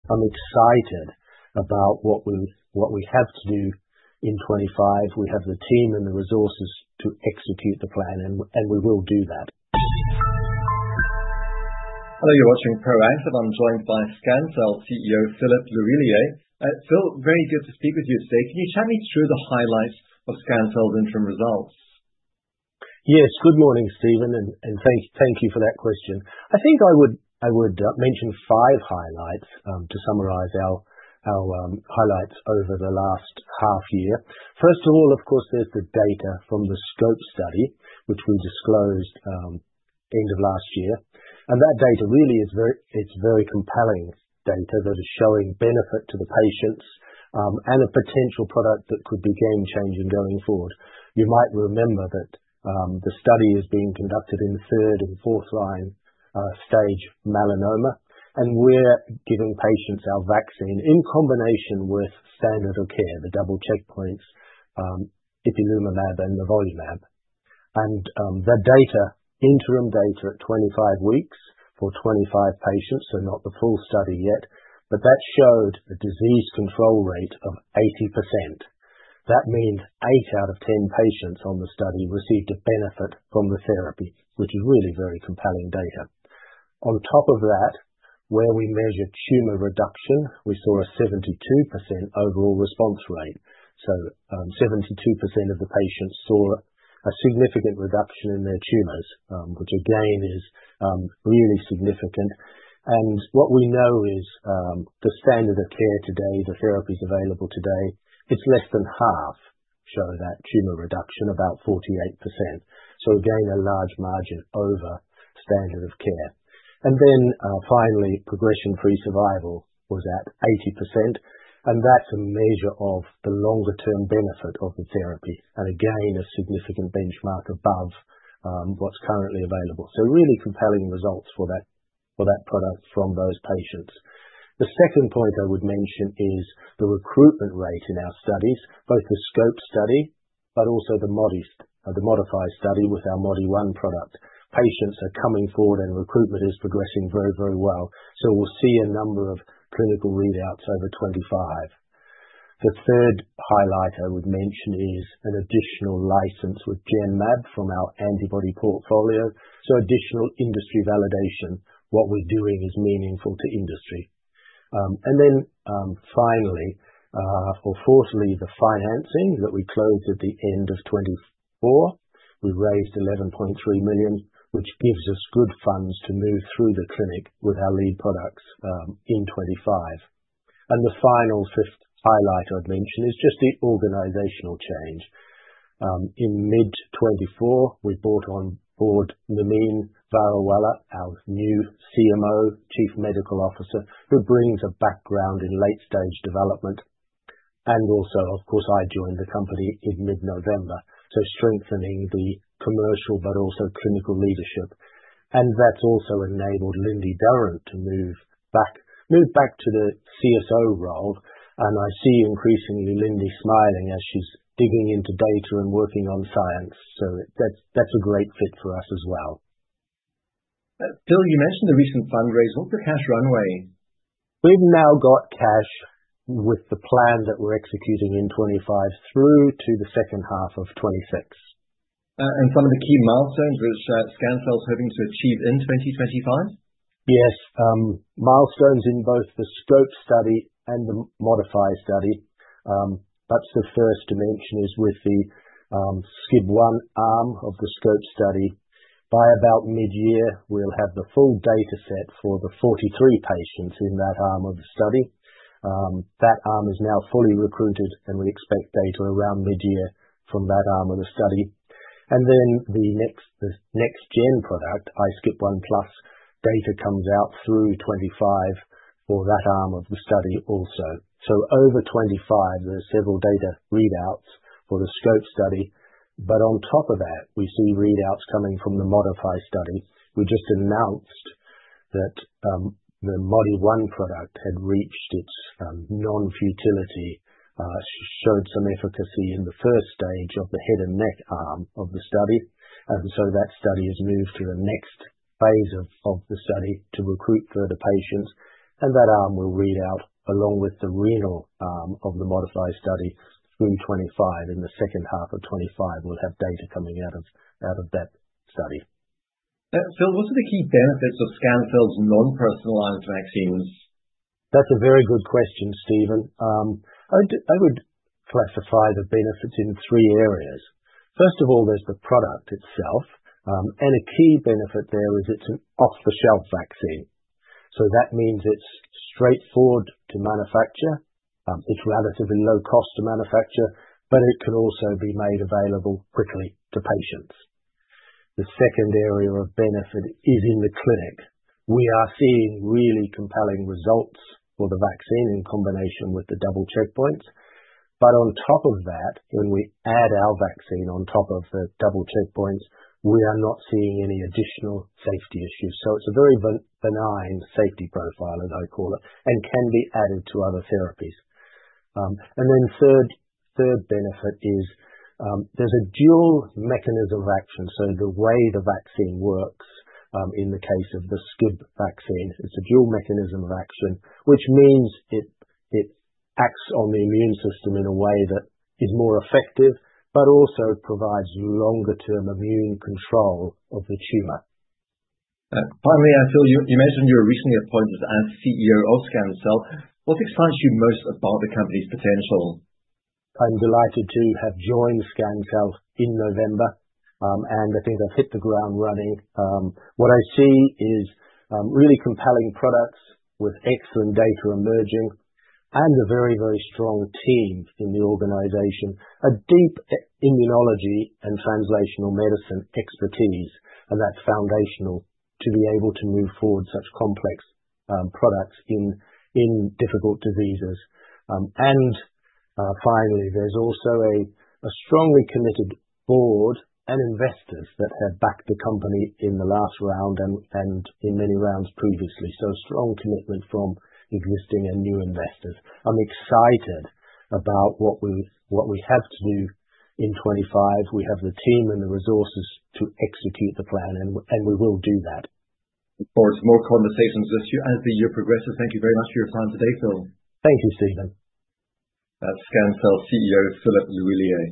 I'm excited about what we have to do in 2025. We have the team and the resources to execute the plan and we will do that. Hello, you're watching Proactive. I'm joined by Scancell CEO, Phil L'Huillier. Phil, very good to speak with you today. Can you chat me through the highlights of Scancell's interim results? Yes. Good morning, Stephen, and thank you for that question. I think I would mention five highlights to summarize our highlights over the last half year. First of all, of course, there's the data from the SCOPE study, which we disclosed end of last year. That data really is very compelling data that is showing benefit to the patients and a potential product that could be game-changing going forward. You might remember that the study is being conducted in the third and fourth line stage melanoma. We're giving patients our vaccine in combination with standard of care, the double checkpoints, ipilimumab and nivolumab. The data, interim data at 25 weeks for 25 patients, so not the full study yet, but that showed a disease control rate of 80%. That means 8 out of 10 patients on the study received a benefit from the therapy, which is really very compelling data. On top of that, where we measured tumor reduction, we saw a 72% overall response rate. 72% of the patients saw a significant reduction in their tumors, which again is really significant. What we know is the standard of care today, the therapies available today, it's less than half show that tumor reduction, about 48%. Again, a large margin over standard of care. Finally, progression-free survival was at 80%, and that's a measure of the longer term benefit of the therapy. Again, a significant benchmark above what's currently available. Really compelling results for that product from those patients. The second point I would mention is the recruitment rate in our studies. Both the SCOPE study and the ModiFY study with our Modi-1 product. Patients are coming forward, and recruitment is progressing very, very well. We'll see a number of clinical readouts over 2025. The third highlight I would mention is an additional license with Genmab from our antibody portfolio, so additional industry validation. What we're doing is meaningful to industry. Finally, or fourthly, the financing that we closed at the end of 2024. We raised 11.3 million, which gives us good funds to move through the clinic with our lead products in 2025. The final fifth highlight I'd mention is just the organizational change. In mid-2024, we brought on board Nermeen Varawalla, our new CMO, Chief Medical Officer, who brings a background in late-stage development. Also, of course, I joined the company in mid-November, so strengthening the commercial but also clinical leadership. That's also enabled Lindy Durrant to move back to the CSO role. I see increasingly Lindy smiling as she's digging into data and working on science. That's a great fit for us as well. Phil, you mentioned the recent fundraise. What's the cash runway? We've now got cash with the plan that we're executing in 2025 through to the second half of 2026. Some of the key milestones which Scancell's hoping to achieve in 2025? Yes. Milestones in both the SCOPE study and the ModiFY study. That's the first dimension with the SCIB1 arm of the SCOPE study. By about mid-year, we'll have the full dataset for the 43 patients in that arm of the study. That arm is now fully recruited, and we expect data around mid-year from that arm of the study. The next-gen product, iSCIB1+ data comes out through 2025 for that arm of the study also. Over 2025, there are several data readouts for the SCOPE study. On top of that, we see readouts coming from the ModiFY study. We just announced that the Modi-1 product had reached its non-futility, showed some efficacy in the first stage of the head and neck arm of the study. That study has moved to the next phase of the study to recruit further patients. That arm will read out along with the renal arm of the ModiFY study through 2025. In the second half of 2025, we'll have data coming out of that study. Phil, what are the key benefits of Scancell's non-personalized vaccines? That's a very good question, Stephen. I would classify the benefits in three areas. First of all, there's the product itself, and a key benefit there is it's an off-the-shelf vaccine. That means it's straightforward to manufacture, it's relatively low cost to manufacture, but it can also be made available quickly to patients. The second area of benefit is in the clinic. We are seeing really compelling results for the vaccine in combination with the double checkpoint. On top of that, when we add our vaccine on top of the double checkpoint, we are not seeing any additional safety issues. It's a very benign safety profile, as I call it, and can be added to other therapies. Third benefit is, there's a dual mechanism of action. The way the vaccine works, in the case of the SCIB vaccine, it's a dual mechanism of action, which means it acts on the immune system in a way that is more effective, but also provides longer term immune control of the tumor. Finally, Phil, you mentioned you were recently appointed as CEO of Scancell. What excites you most about the company's potential? I'm delighted to have joined Scancell in November, and I think I've hit the ground running. What I see is really compelling products with excellent data emerging and a very, very strong team in the organization. A deep immunology and translational medicine expertise, and that's foundational to be able to move forward such complex products in difficult diseases. Finally, there's also a strongly committed board and investors that have backed the company in the last round and in many rounds previously. A strong commitment from existing and new investors. I'm excited about what we have to do in 2025. We have the team and the resources to execute the plan and we will do that. Of course, more conversations this year as the year progresses. Thank you very much for your time today, Phil. Thank you, Stephen. That's Scancell CEO, Phil L'Huillier.